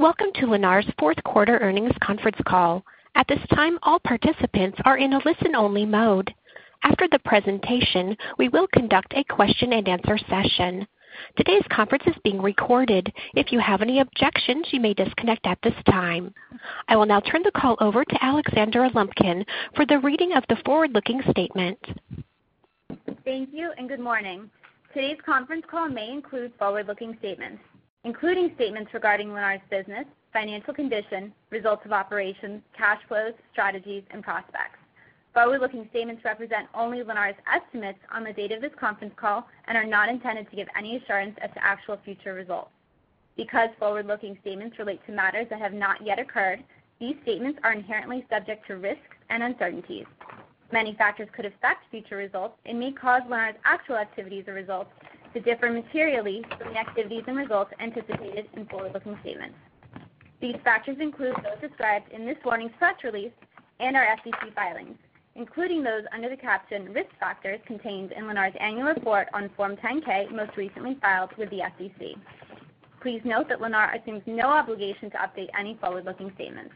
I will now turn the call over to Alexandra Lumpkin for the reading of the forward-looking statement. Thank you and good morning. Today's conference call may include forward-looking statements, including statements regarding Lennar's business, financial condition, results of operations, cash flows, strategies, and prospects. Forward-looking statements represent only Lennar's estimates on the date of this conference call and are not intended to give any assurance as to actual future results. Because forward-looking statements relate to matters that have not yet occurred, these statements are inherently subject to risks and uncertainties. Many factors could affect future results and may cause Lennar's actual activities or results to differ materially from the activities and results anticipated in forward-looking statements. These factors include those described in this morning's press release and our SEC filings, including those under the caption Risk Factors contained in Lennar's annual report on Form 10-K, most recently filed with the SEC. Please note that Lennar assumes no obligation to update any forward-looking statements.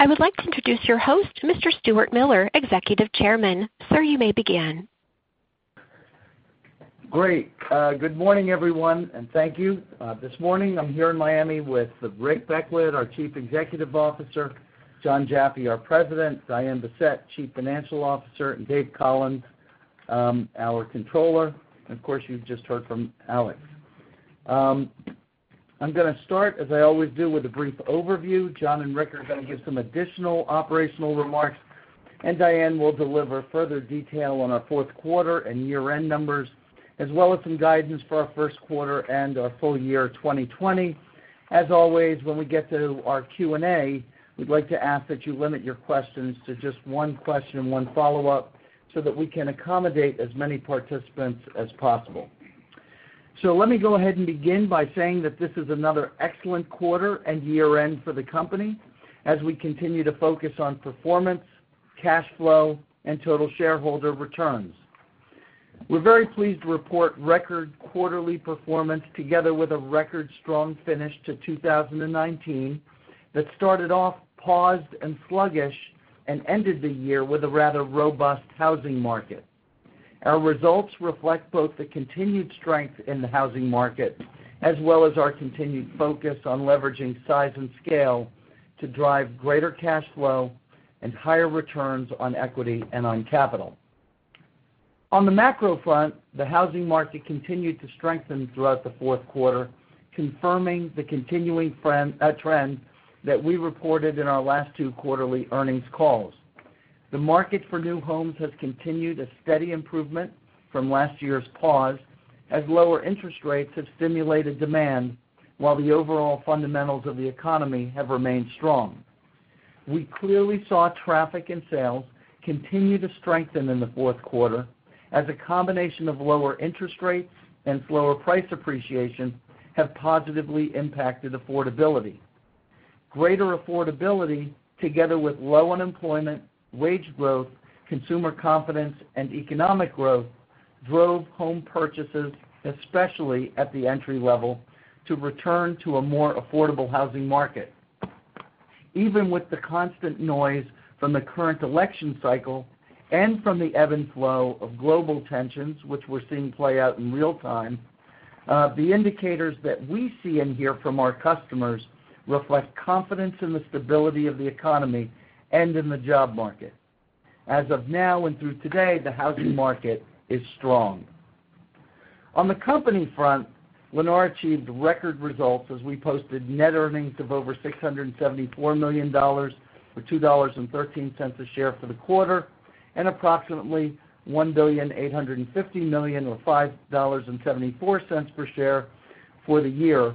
I would like to introduce your host, Mr. Stuart Miller, Executive Chairman. Sir, you may begin. Great. Good morning, everyone, and thank you. This morning, I'm here in Miami with Rick Beckwitt, our Chief Executive Officer, Jon Jaffe, our President, Diane Bessette, Chief Financial Officer, and David Collins, our Controller. Of course, you've just heard from Alex. I'm gonna start, as I always do, with a brief overview. Jon and Rick are gonna give some additional operational remarks, and Diane will deliver further detail on our fourth quarter and year-end numbers, as well as some guidance for our first quarter and our full year 2020. As always, when we get to our Q&A, we'd like to ask that you limit your questions to just one question and one follow-up so that we can accommodate as many participants as possible. Let me go ahead and begin by saying that this is another excellent quarter and year-end for the company as we continue to focus on performance, cash flow, and total shareholder returns. We're very pleased to report record quarterly performance together with a record strong finish to 2019 that started off paused and sluggish and ended the year with a rather robust housing market. Our results reflect both the continued strength in the housing market, as well as our continued focus on leveraging size and scale to drive greater cash flow and higher returns on equity and on capital. On the macro front, the housing market continued to strengthen throughout the fourth quarter, confirming the continuing friend, trend that we reported in our last two quarterly earnings calls. The market for new homes has continued a steady improvement from last year's pause as lower interest rates have stimulated demand while the overall fundamentals of the economy have remained strong. We clearly saw traffic and sales continue to strengthen in the fourth quarter as a combination of lower interest rates and slower price appreciation have positively impacted affordability. Greater affordability together with low unemployment, wage growth, consumer confidence, and economic growth drove home purchases, especially at the entry-level, to return to a more affordable housing market. Even with the constant noise from the current election cycle and from the ebb and flow of global tensions which we're seeing play out in real time, the indicators that we see and hear from our customers reflect confidence in the stability of the economy and in the job market. As of now and through today, the housing market is strong. On the company front, Lennar achieved record results as we posted net earnings of over $674 million or $2.13 a share for the quarter, and approximately $1.85 billion or $5.74 per share for the year.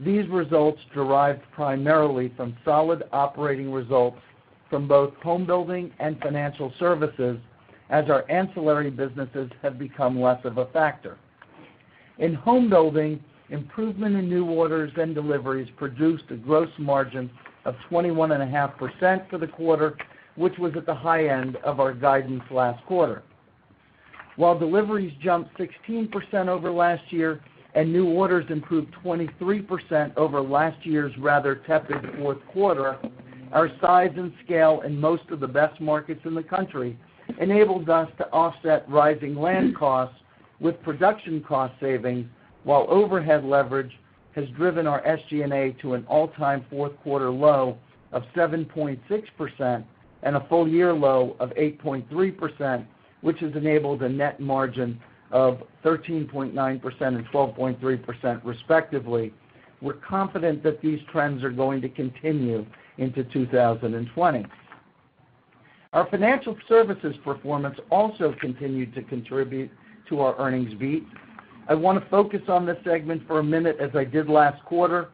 These results derived primarily from solid operating results from both homebuilding and financial services as our ancillary businesses have become less of a factor. In homebuilding, improvement in new orders and deliveries produced a gross margin of 21.5% for the quarter, which was at the high end of our guidance last quarter. While deliveries jumped 16% over last year and new orders improved 23% over last year's rather tepid fourth quarter, our size and scale in most of the best markets in the country enabled us to offset rising land costs with production cost savings while overhead leverage has driven our SG&A to an all-time fourth quarter low of 7.6%, and a full year low of 8.3%, which has enabled a net margin of 13.9% and 12.3% respectively. We're confident that these trends are going to continue into 2020. Our financial services performance also continued to contribute to our earnings beat. I wanna focus on this segment for a minute as I did last quarter.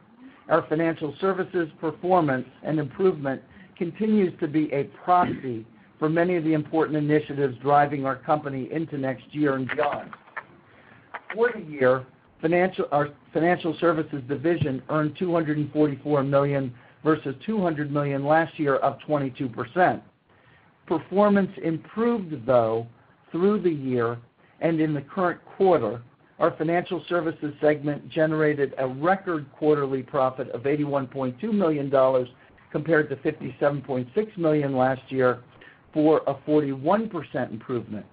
Our financial services performance and improvement continues to be a proxy for many of the important initiatives driving our company into next year and beyond. For the year, our financial services division earned $244 million versus $200 million last year, up 22%. Performance improved though through the year, and in the current quarter, our financial services segment generated a record quarterly profit of $81.2 million compared to $57.6 million last year for a 41% improvement.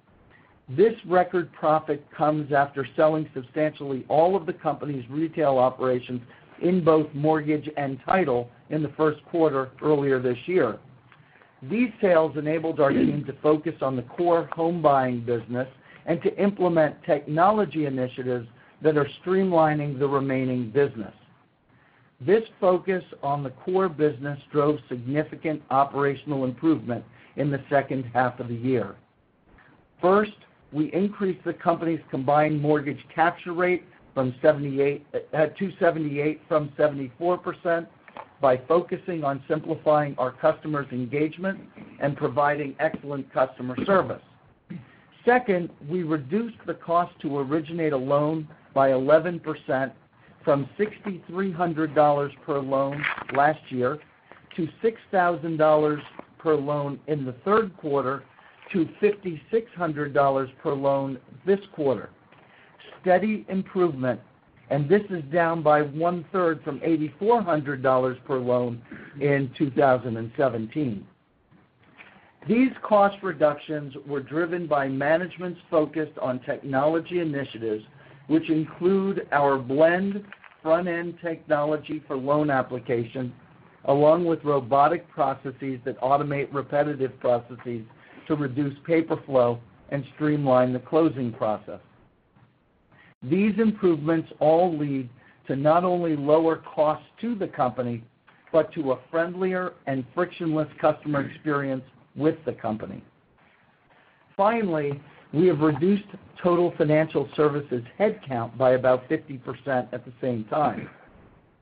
This record profit comes after selling substantially all of the company's retail operations in both mortgage and title in the first quarter earlier this year. These sales enabled our team to focus on the core home buying business and to implement technology initiatives that are streamlining the remaining business. This focus on the core business drove significant operational improvement in the second half of the year. First, we increased the company's combined mortgage capture rate to 78% from 74% by focusing on simplifying our customers' engagement and providing excellent customer service. Second, we reduced the cost to originate a loan by 11% from $6,300 per loan last year to $6,000 per loan in the third quarter to $5,600 per loan this quarter. Steady improvement, this is down by one-third from $8,400 per loan in 2017. These cost reductions were driven by management's focus on technology initiatives, which include our Blend front-end technology for loan application, along with robotic processes that automate repetitive processes to reduce paper flow and streamline the closing process. These improvements all lead to not only lower cost to the company, but to a friendlier and frictionless customer experience with the company. Finally, we have reduced total financial services headcount by about 50% at the same time.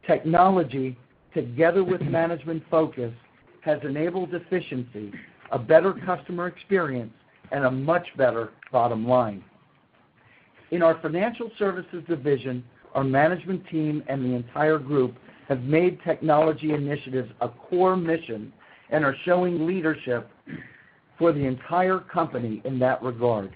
Technology, together with management focus, has enabled efficiency, a better customer experience, and a much better bottom line. In our financial services division, our management team and the entire group have made technology initiatives a core mission and are showing leadership for the entire company in that regard.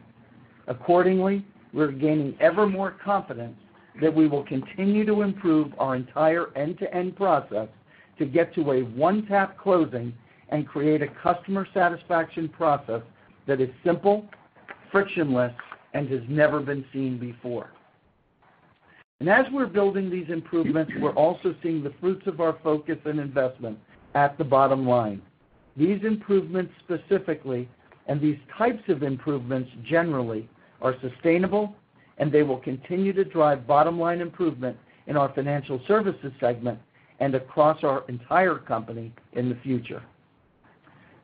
We're gaining ever more confidence that we will continue to improve our entire end-to-end process to get to a one-tap closing and create a customer satisfaction process that is simple, frictionless, and has never been seen before. As we're building these improvements, we're also seeing the fruits of our focus and investment at the bottom line. These improvements specifically, and these types of improvements generally, are sustainable, and they will continue to drive bottom-line improvement in our Financial Services segment and across our entire company in the future.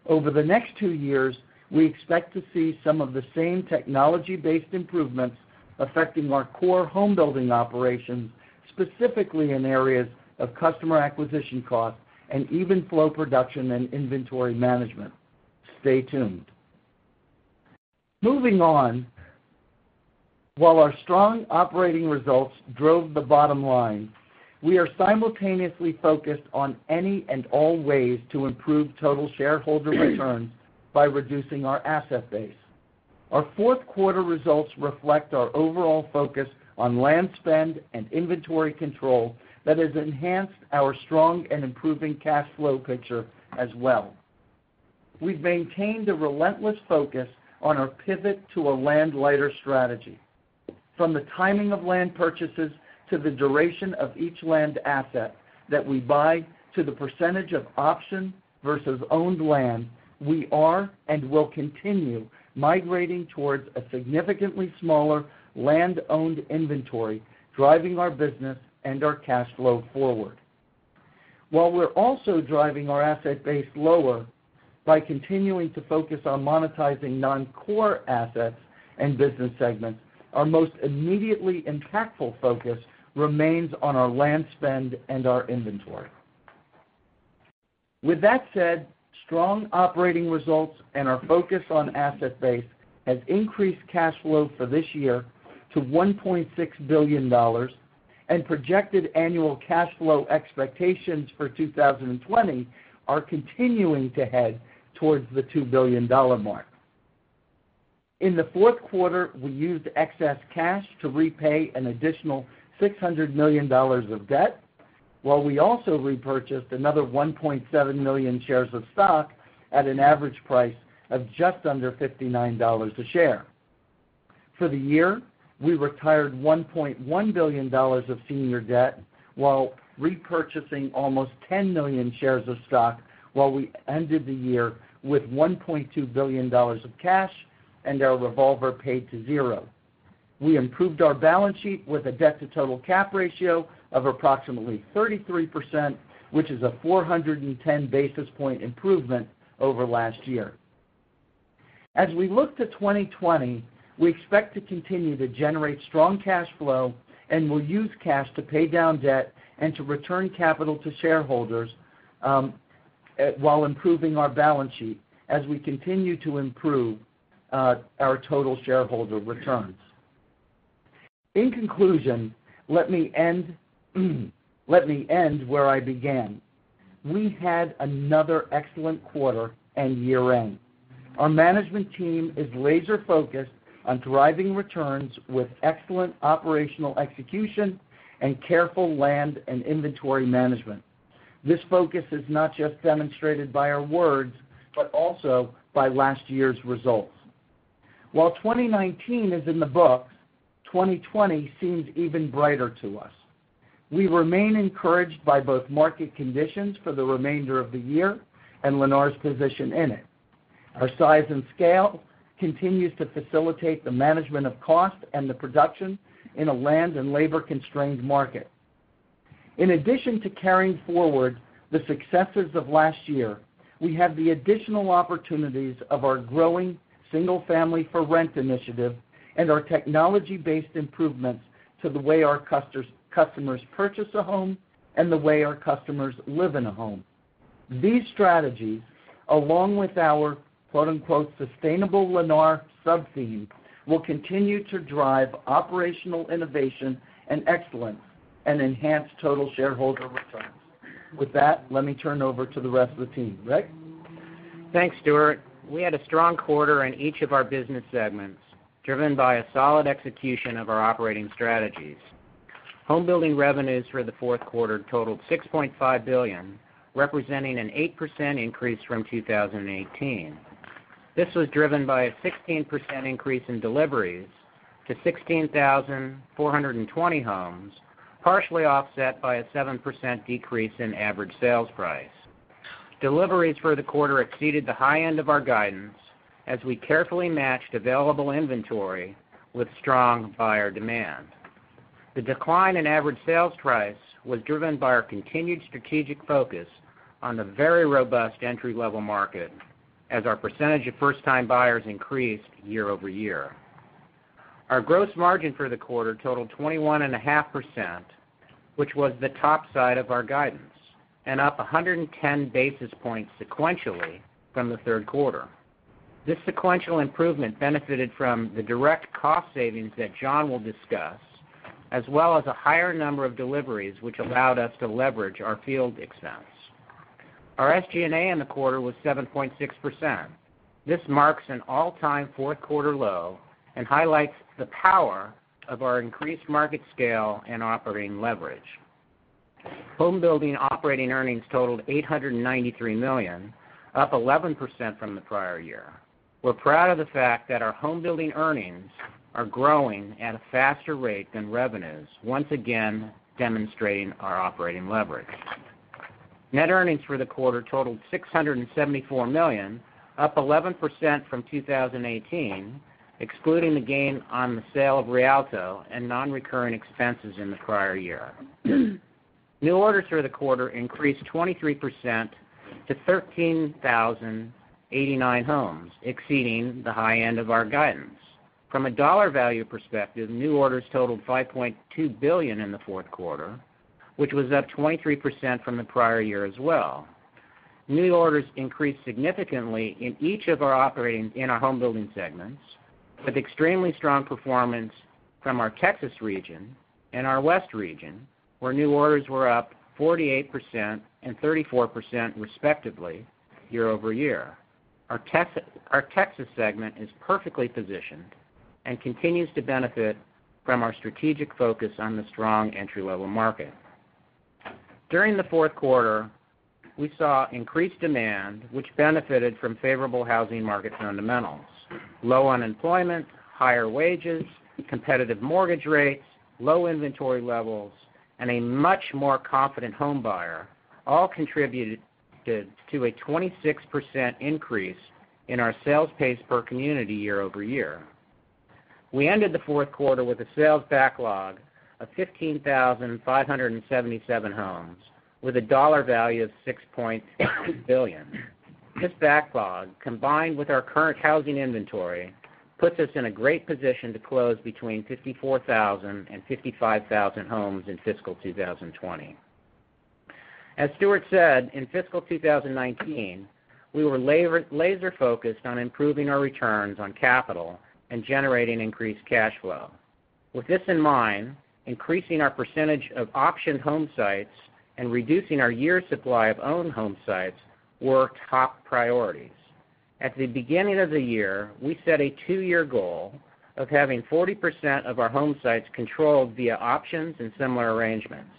Over the next two years, we expect to see some of the same technology-based improvements affecting our core homebuilding operations, specifically in areas of customer acquisition costs and Even Flow production and inventory management. Stay tuned. Moving on, while our strong operating results drove the bottom line, we are simultaneously focused on any and all ways to improve total shareholder returns by reducing our asset base. Our fourth quarter results reflect our overall focus on land spend and inventory control that has enhanced our strong and improving cash flow picture as well. We've maintained a relentless focus on our pivot to a land-lighter strategy. From the timing of land purchases to the duration of each land asset that we buy to the percentage of option versus owned land, we are and will continue migrating towards a significantly smaller land-owned inventory, driving our business and our cash flow forward. While we're also driving our asset base lower by continuing to focus on monetizing non-core assets and business segments, our most immediately impactful focus remains on our land spend and our inventory. With that said, strong operating results and our focus on asset base has increased cash flow for this year to $1.6 billion, and projected annual cash flow expectations for 2020 are continuing to head towards the $2 billion mark. In the fourth quarter, we used excess cash to repay an additional $600 million of debt, while we also repurchased another 1.7 million shares of stock at an average price of just under $59 a share. For the year, we retired $1.1 billion of senior debt while repurchasing almost 10 million shares of stock while we ended the year with $1.2 billion of cash and our revolver paid to zero. We improved our balance sheet with a debt-to-total cap ratio of approximately 33%, which is a 410 basis point improvement over last year. As we look to 2020, we expect to continue to generate strong cash flow, and we'll use cash to pay down debt and to return capital to shareholders while improving our balance sheet as we continue to improve our total shareholder returns. In conclusion, let me end where I began. We had another excellent quarter and year-end. Our management team is laser-focused on driving returns with excellent operational execution and careful land and inventory management. This focus is not just demonstrated by our words, but also by last year's results. While 2019 is in the books, 2020 seems even brighter to us. We remain encouraged by both market conditions for the remainder of the year and Lennar's position in it. Our size and scale continues to facilitate the management of cost and the production in a land and labor-constrained market. In addition to carrying forward the successes of last year, we have the additional opportunities of our growing single-family for rent initiative and our technology-based improvements to the way our customers purchase a home and the way our customers live in a home. These strategies, along with our, quote-unquote, sustainable Lennar sub-theme, will continue to drive operational innovation and excellence and enhance total shareholder returns. With that, let me turn over to the rest of the team. Rick? Thanks, Stuart. We had a strong quarter in each of our business segments, driven by a solid execution of our operating strategies. homebuilding revenues for the fourth quarter totaled $6.5 billion, representing an 8% increase from 2018. This was driven by a 16% increase in deliveries to 16,420 homes, partially offset by a 7% decrease in average sales price. Deliveries for the quarter exceeded the high end of our guidance as we carefully matched available inventory with strong buyer demand. The decline in average sales price was driven by our continued strategic focus on the very robust entry-level market as our percentage of first-time buyers increased year-over-year. Our gross margin for the quarter totaled 21.5%, which was the top side of our guidance and up 110 basis points sequentially from the third quarter. This sequential improvement benefited from the direct cost savings that Jon will discuss, as well as a higher number of deliveries, which allowed us to leverage our field expense. Our SG&A in the quarter was 7.6%. This marks an all-time fourth quarter low and highlights the power of our increased market scale and operating leverage. Homebuilding operating earnings totaled $893 million, up 11% from the prior year. We're proud of the fact that our homebuilding earnings are growing at a faster rate than revenues, once again demonstrating our operating leverage. Net earnings for the quarter totaled $674 million, up 11% from 2018, excluding the gain on the sale of Rialto and non-recurring expenses in the prior year. New orders for the quarter increased 23% to 13,089 homes, exceeding the high end of our guidance. From a dollar value perspective, new orders totaled $5.2 billion in the fourth quarter, which was up 23% from the prior year as well. New orders increased significantly in each of our homebuilding segments with extremely strong performance from our Texas region and our West region, where new orders were up 48% and 34% respectively year-over-year. Our Texas segment is perfectly positioned and continues to benefit from our strategic focus on the strong entry-level market. During the fourth quarter, we saw increased demand, which benefited from favorable housing market fundamentals. Low unemployment, higher wages, competitive mortgage rates, low inventory levels, and a much more confident homebuyer all contributed to a 26% increase in our sales pace per community year-over-year. We ended the fourth quarter with a sales backlog of 15,577 homes with a dollar value of $6.6 billion. This backlog, combined with our current housing inventory, puts us in a great position to close between 54,000 and 55,000 homes in fiscal 2020. As Stuart said, in fiscal 2019, we were laser-focused on improving our returns on capital and generating increased cash flow. With this in mind, increasing our percentage of option home sites and reducing our year's supply of own home sites were top priorities. At the beginning of the year, we set a two-year goal of having 40% of our home sites controlled via options and similar arrangements.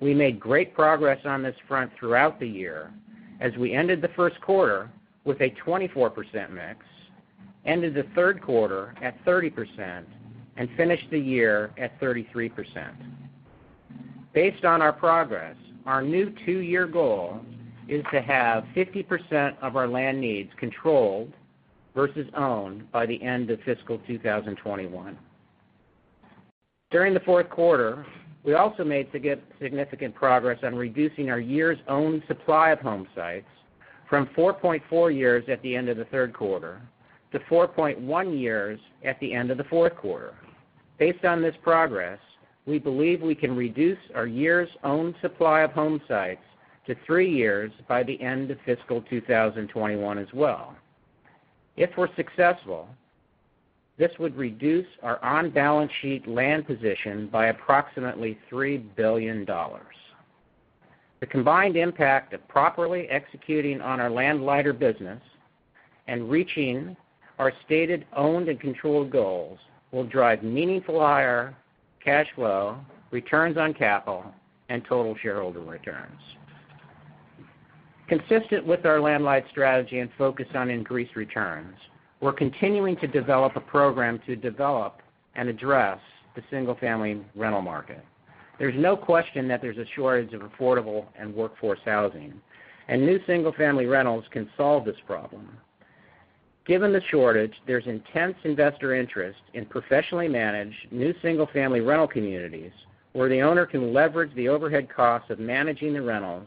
We made great progress on this front throughout the year as we ended the first quarter with a 24% mix, ended the third quarter at 30%, and finished the year at 33%. Based on our progress, our new two-year goal is to have 50% of our land needs controlled versus owned by the end of fiscal 2021. During the fourth quarter, we also made significant progress on reducing our years' own supply of home sites from 4.4 years at the end of the third quarter to 4.1 years at the end of the fourth quarter. Based on this progress, we believe we can reduce our years' own supply of home sites to three years by the end of fiscal 2021 as well. If we're successful, this would reduce our on-balance sheet land position by approximately $3 billion. The combined impact of properly executing on our land lighter business and reaching our stated owned and controlled goals will drive meaningful higher cash flow, returns on capital and total shareholder returns. Consistent with our land light strategy and focus on increased returns, we're continuing to develop a program to develop and address the single-family rental market. There's no question that there's a shortage of affordable and workforce housing, and new single-family rentals can solve this problem. Given the shortage, there's intense investor interest in professionally managed new single-family rental communities where the owner can leverage the overhead costs of managing the rentals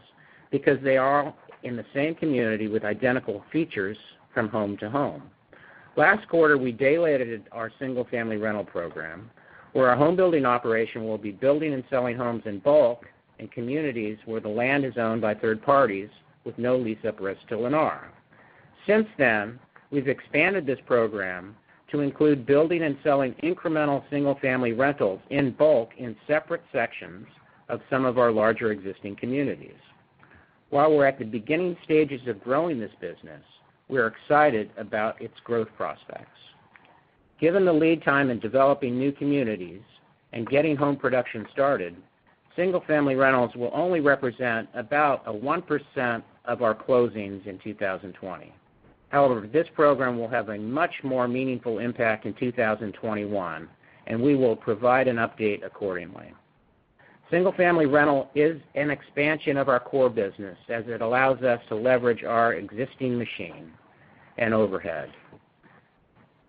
because they are all in the same community with identical features from home to home. Last quarter, we daylighted our single-family rental program, where our homebuilding operation will be building and selling homes in bulk in communities where the land is owned by third parties with no lease at risk to Lennar. Since then, we've expanded this program to include building and selling incremental single-family rentals in bulk in separate sections of some of our larger existing communities. While we're at the beginning stages of growing this business, we are excited about its growth prospects. Given the lead time in developing new communities and getting home production started, single-family rentals will only represent about a 1% of our closings in 2020. This program will have a much more meaningful impact in 2021, and we will provide an update accordingly. Single-family rental is an expansion of our core business as it allows us to leverage our existing machine and overhead.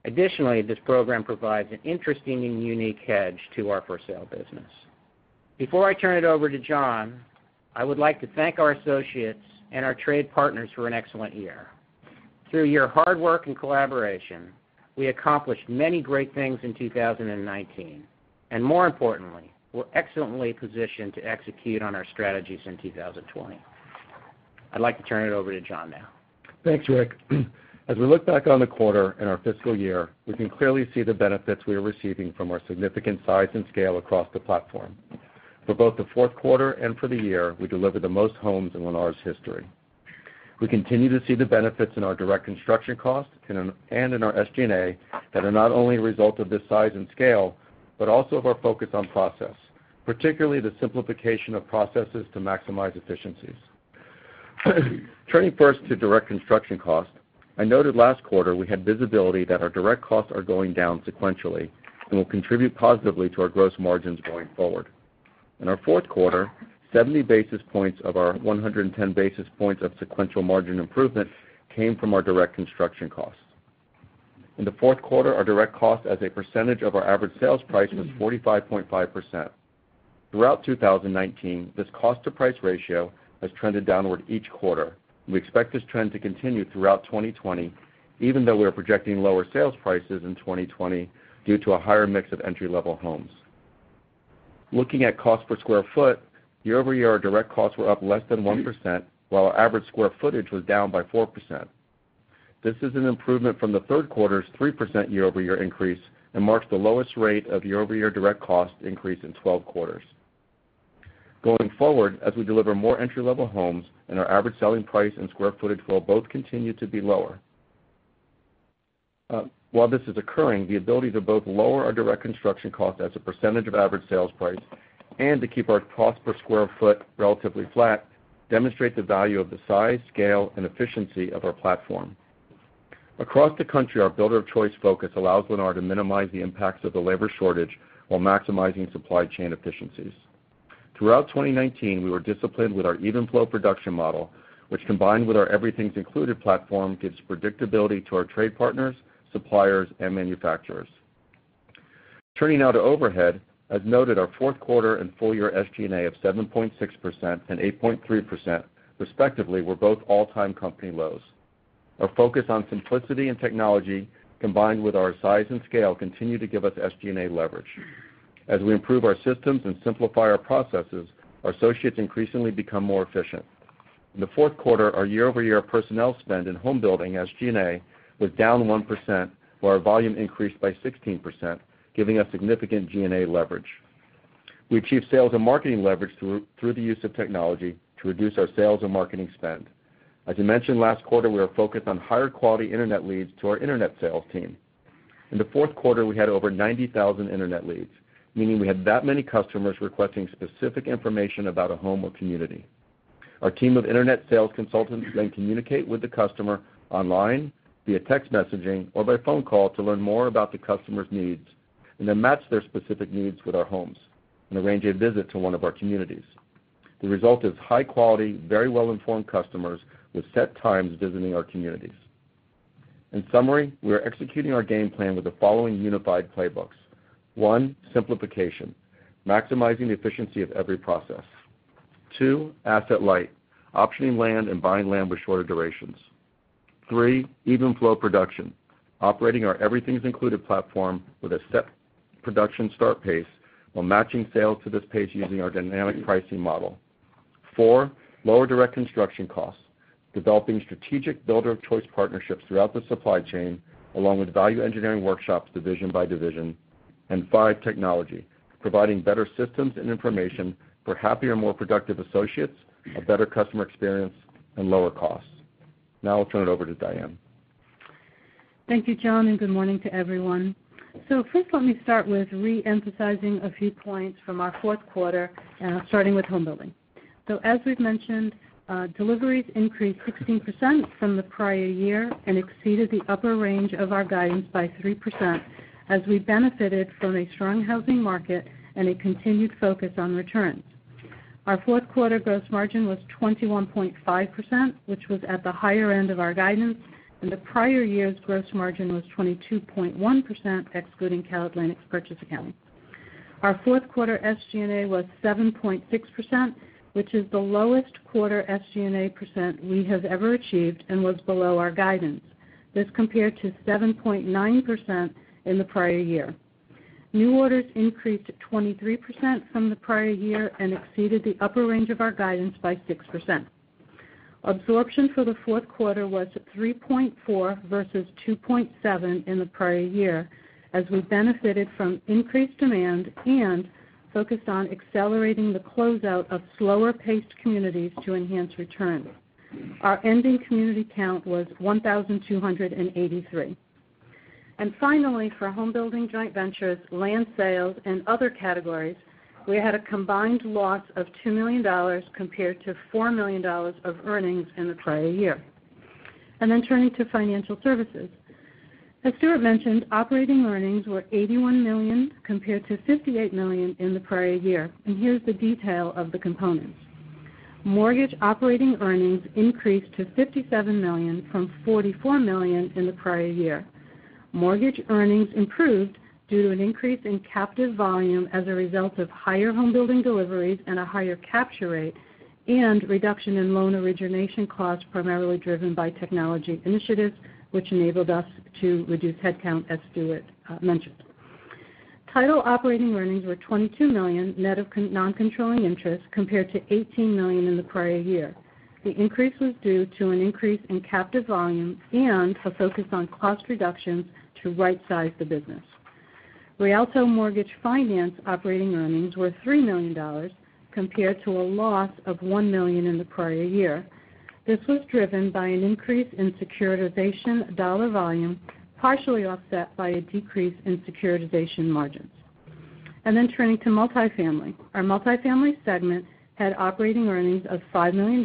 Additionally, this program provides an interesting and unique hedge to our for-sale business. Before I turn it over to Jon, I would like to thank our associates and our trade partners for an excellent year. Through your hard work and collaboration, we accomplished many great things in 2019. More importantly, we're excellently positioned to execute on our strategies in 2020. I'd like to turn it over to Jon now. Thanks, Rick. As we look back on the quarter and our fiscal year, we can clearly see the benefits we are receiving from our significant size and scale across the platform. For both the fourth quarter and for the year, we delivered the most homes in Lennar's history. We continue to see the benefits in our direct construction costs and in our SG&A that are not only a result of this size and scale, but also of our focus on process, particularly the simplification of processes to maximize efficiencies. Turning first to direct construction costs, I noted last quarter we had visibility that our direct costs are going down sequentially and will contribute positively to our gross margins going forward. In our fourth quarter, 70 basis points of our 110 basis points of sequential margin improvement came from our direct construction costs. In the fourth quarter, our direct costs as a percentage of our average sales price was 45.5%. Throughout 2019, this cost to price ratio has trended downward each quarter. We expect this trend to continue throughout 2020, even though we are projecting lower sales prices in 2020 due to a higher mix of entry-level homes. Looking at cost per square foot, year-over-year, our direct costs were up less than 1%, while our average square footage was down by 4%. This is an improvement from the third quarter's 3% year-over-year increase and marks the lowest rate of year-over-year direct cost increase in 12 quarters. Going forward, as we deliver more entry-level homes and our average selling price and square footage will both continue to be lower. While this is occurring, the ability to both lower our direct construction cost as a percentage of average sales price and to keep our cost per square foot relatively flat demonstrate the value of the size, scale, and efficiency of our platform. Across the country, our builder of choice focus allows Lennar to minimize the impacts of the labor shortage while maximizing supply chain efficiencies. Throughout 2019, we were disciplined with our Even Flow production model, which combined with our Everything's Included platform, gives predictability to our trade partners, suppliers, and manufacturers. Turning now to overhead, as noted, our fourth quarter and full year SG&A of 7.6% and 8.3% respectively were both all-time company lows. Our focus on simplicity and technology, combined with our size and scale, continue to give us SG&A leverage. As we improve our systems and simplify our processes, our associates increasingly become more efficient. In the fourth quarter, our year-over-year personnel spend in homebuilding SG&A was down 1%, while our volume increased by 16%, giving us significant G&A leverage. We achieved sales and marketing leverage through the use of technology to reduce our sales and marketing spend. As I mentioned last quarter, we are focused on higher quality internet leads to our internet sales team. In the fourth quarter, we had over 90,000 internet leads, meaning we had that many customers requesting specific information about a home or community. Our team of internet sales consultants then communicate with the customer online, via text messaging, or by phone call to learn more about the customer's needs and then match their specific needs with our homes and arrange a visit to one of our communities. The result is high quality, very well-informed customers with set times visiting our communities. In summary, we are executing our game plan with the following unified playbooks. One, simplification, maximizing the efficiency of every process. Two, asset light, optioning land and buying land with shorter durations. Three, Even Flow production, operating our Everything's Included platform with a set production start pace while matching sales to this pace using our dynamic pricing model. Four, lower direct construction costs, developing strategic builder of choice partnerships throughout the supply chain, along with value engineering workshops division by division. Five, technology, providing better systems and information for happier, more productive associates, a better customer experience, and lower costs. Now I'll turn it over to Diane. Thank you, Jon, and good morning to everyone. First let me start with re-emphasizing a few points from our fourth quarter, starting with homebuilding. As we've mentioned, deliveries increased 16% from the prior year and exceeded the upper range of our guidance by 3% as we benefited from a strong housing market and a continued focus on returns. Our fourth quarter gross margin was 21.5%, which was at the higher end of our guidance, and the prior year's gross margin was 22.1% excluding CalAtlantic's purchase accounting. Our fourth quarter SG&A was 7.6%, which is the lowest quarter SG&A % we have ever achieved and was below our guidance. This compared to 7.9% in the prior year. New orders increased 23% from the prior year and exceeded the upper range of our guidance by 6%. Absorption for the fourth quarter was 3.4 versus 2.7 in the prior year, as we benefited from increased demand and focused on accelerating the closeout of slower-paced communities to enhance returns. Our ending community count was 1,283. Finally, for homebuilding joint ventures, land sales, and other categories, we had a combined loss of $2 million compared to $4 million of earnings in the prior year. Turning to financial services. As Stuart mentioned, operating earnings were $81 million compared to $58 million in the prior year, and here's the detail of the components. Mortgage operating earnings increased to $57 million from $44 million in the prior year. Mortgage earnings improved due to an increase in captive volume as a result of higher homebuilding deliveries and a higher capture rate, and reduction in loan origination costs primarily driven by technology initiatives, which enabled us to reduce headcount, as Stuart mentioned. Title operating earnings were $22 million net of noncontrolling interest compared to $18 million in the prior year. The increase was due to an increase in captive volume and a focus on cost reductions to right-size the business. Rialto Mortgage Finance operating earnings were $3 million compared to a loss of $1 million in the prior year. This was driven by an increase in securitization dollar volume, partially offset by a decrease in securitization margins. Turning to Multifamily. Our Multifamily segment had operating earnings of $5 million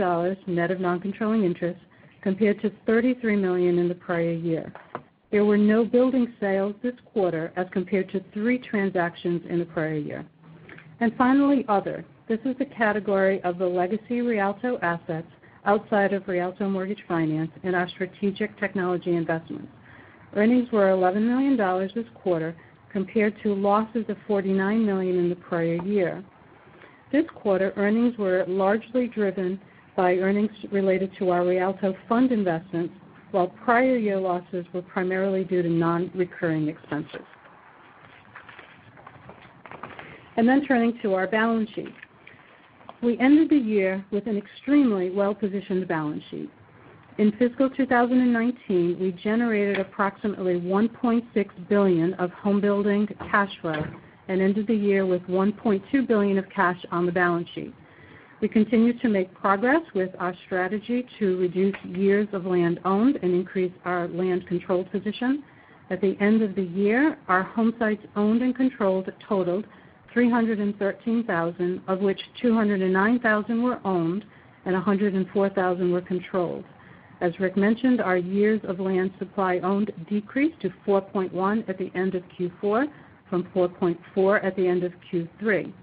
net of noncontrolling interest compared to $33 million in the prior year. There were no building sales this quarter as compared to three transactions in the prior year. Finally, other. This is the category of the legacy Rialto assets outside of Rialto Mortgage Finance and our strategic technology investments. Earnings were $11 million this quarter compared to losses of $49 million in the prior year. This quarter, earnings were largely driven by earnings related to our Rialto fund investments, while prior year losses were primarily due to non-recurring expenses. Turning to our balance sheet. We ended the year with an extremely well-positioned balance sheet. In fiscal 2019, we generated approximately $1.6 billion of homebuilding cash flow and ended the year with $1.2 billion of cash on the balance sheet. We continue to make progress with our strategy to reduce years of land owned and increase our land control position. At the end of the year, our homesites owned and controlled totaled 313,000, of which 209,000 were owned and 104,000 were controlled. As Rick mentioned, our years of land supply owned decreased to 4.1 at the end of Q4, from 4.4 at the end of Q3.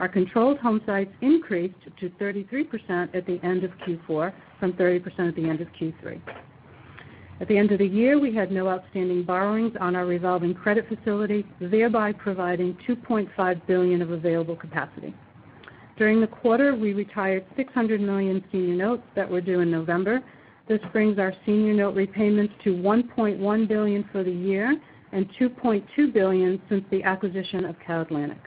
Our controlled homesites increased to 33% at the end of Q4, from 30% at the end of Q3. At the end of the year, we had no outstanding borrowings on our revolving credit facility, thereby providing $2.5 billion of available capacity. During the quarter, we retired $600 million senior notes that were due in November. This brings our senior note repayments to $1.1 billion for the year and $2.2 billion since the acquisition of CalAtlantic.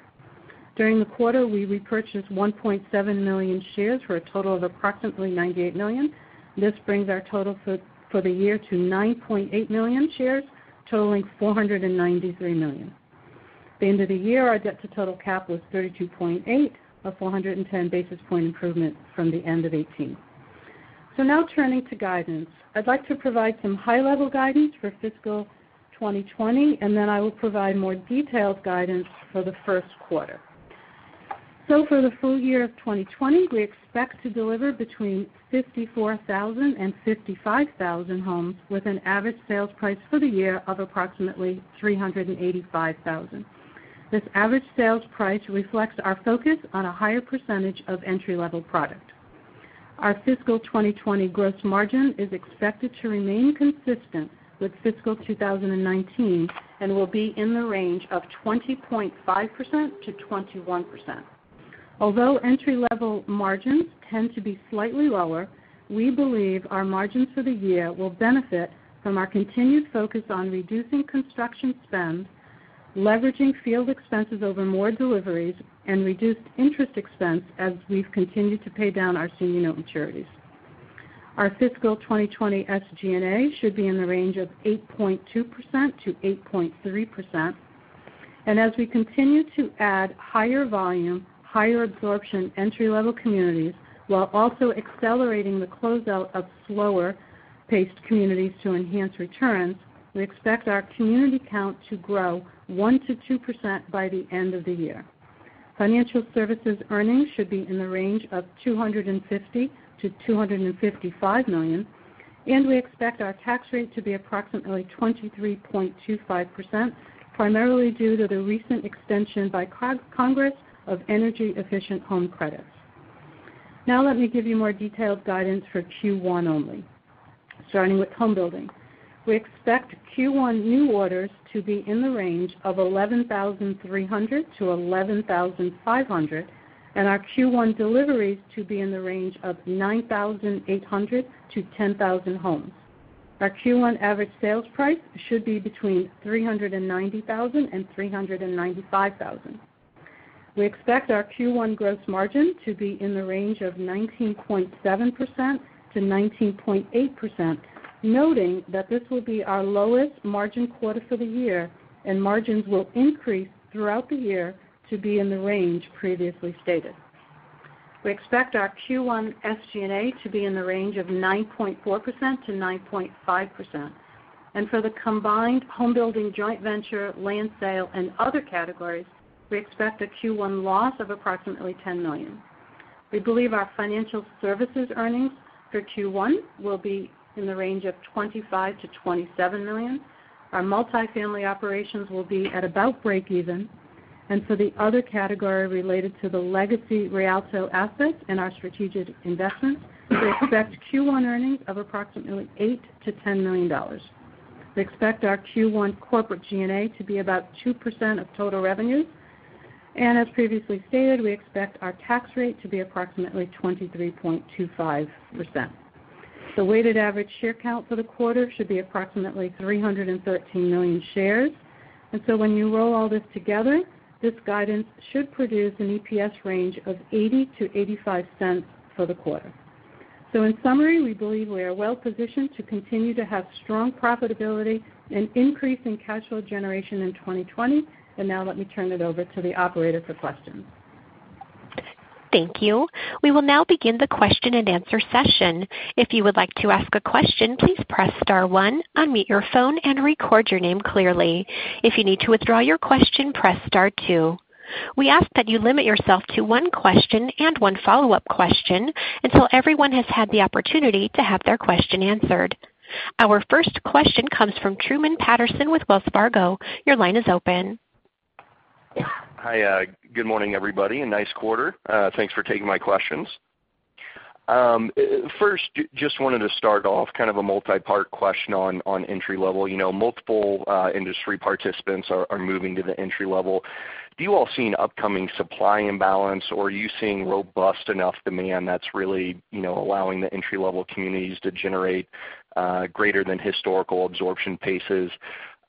During the quarter, we repurchased 1.7 million shares for a total of approximately $98 million. This brings our total for the year to $9.8 million shares, totaling $493 million. At the end of the year, our debt to total cap was 32.8, a 410 basis point improvement from the end of 2018. Now turning to guidance. I'd like to provide some high-level guidance for fiscal 2020. Then I will provide more detailed guidance for the first quarter. For the full year of 2020, we expect to deliver between 54,000 and 55,000 homes with an average sales price for the year of approximately $385,000. This average sales price reflects our focus on a higher percentage of entry-level product. Our fiscal 2020 gross margin is expected to remain consistent with fiscal 2019 and will be in the range of 20.5%-21%. Although entry-level margins tend to be slightly lower, we believe our margins for the year will benefit from our continued focus on reducing construction spend, leveraging field expenses over more deliveries, and reduced interest expense as we've continued to pay down our senior note maturities. Our fiscal 2020 SG&A should be in the range of 8.2%-8.3%. As we continue to add higher volume, higher absorption entry-level communities, while also accelerating the closeout of slower-paced communities to enhance returns, we expect our community count to grow 1%-2% by the end of the year. Financial services earnings should be in the range of $250 million-$255 million, and we expect our tax rate to be approximately 23.25%, primarily due to the recent extension by Congress of Energy Efficient Home Improvement credits. Let me give you more detailed guidance for Q1 only. Starting with homebuilding, we expect Q1 new orders to be in the range of 11,300-11,500, and our Q1 deliveries to be in the range of 9,800-10,000 homes. Our Q1 average sales price should be between $390,000 and $395,000. We expect our Q1 gross margin to be in the range of 19.7%-19.8%, noting that this will be our lowest margin quarter for the year. Margins will increase throughout the year to be in the range previously stated. We expect our Q1 SG&A to be in the range of 9.4%-9.5%. For the combined homebuilding joint venture, land sale, and other categories, we expect a Q1 loss of approximately $10 million. We believe our financial services earnings for Q1 will be in the range of $25 million-$27 million. Our multifamily operations will be at about breakeven. For the other category related to the legacy Rialto asset and our strategic investments, we expect Q1 earnings of approximately $8 million-$10 million. We expect our Q1 corporate G&A to be about 2% of total revenue. As previously stated, we expect our tax rate to be approximately 23.25%. The weighted average share count for the quarter should be approximately 313 million shares. When you roll all this together, this guidance should produce an EPS range of $0.80-$0.85 for the quarter. In summary, we believe we are well-positioned to continue to have strong profitability and increase in cash flow generation in 2020. Now let me turn it over to the operator for questions. Thank you. We will now begin the question-and-answer session. If you would like to ask a question please press star one, on your phone and record your name clearly. If you need to withdraw your question press star two. We ask that you limit yourself on one question and one follow-up question until everyone has an opportunity to have their question answered. Our first question comes from Truman Patterson with Wells Fargo. Your line is open. Hi. Good morning, everybody, nice quarter. Thanks for taking my questions. First, just wanted to start off kind of a multipart question on entry level. You know, multiple industry participants are moving to the entry level. Do you all see an upcoming supply imbalance, or are you seeing robust enough demand that's really, you know, allowing the entry-level communities to generate greater than historical absorption paces?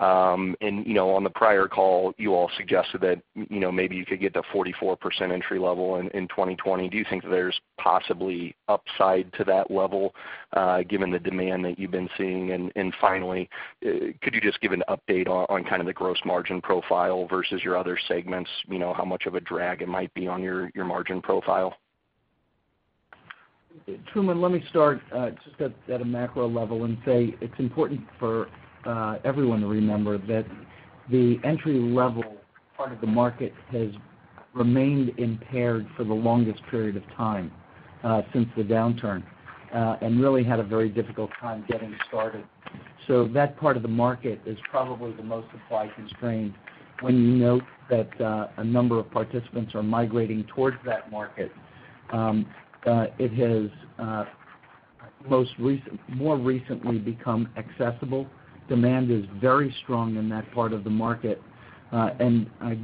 You know, on the prior call, you all suggested that, you know, maybe you could get to 44% entry level in 2020. Do you think there's possibly upside to that level given the demand that you've been seeing? Finally, could you just give an update on kind of the gross margin profile versus your other segments? You know, how much of a drag it might be on your margin profile? Truman, let me start just at a macro level and say it's important for everyone to remember that the entry level part of the market has remained impaired for the longest period of time since the downturn and really had a very difficult time getting started. That part of the market is probably the most supply constrained when you note that a number of participants are migrating towards that market. It has more recently become accessible. Demand is very strong in that part of the market, and I